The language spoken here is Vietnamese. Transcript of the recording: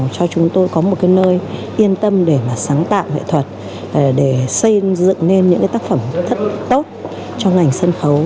cho chúng tôi có một nơi yên tâm để sáng tạo nghệ thuật để xây dựng nên những tác phẩm thật tốt cho ngành sân khấu